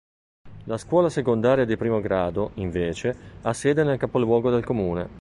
La scuola secondaria di primo grado, invece, ha sede nel capoluogo del comune.